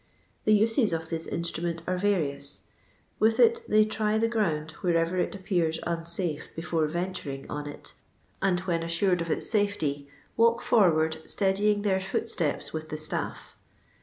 The uses of thia instrument are ! various ; with it they try the ground wherever it appears unaafe, before venturing on it, and, when LOITDOir LABOUR AND THE LONDON POOR. 151 aitiired of its aafety, walk forward steadying their footsteps with the staff.